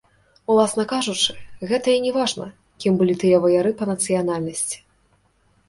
Уласна кажучы, гэта і не важна, кім былі тыя ваяры па нацыянальнасці.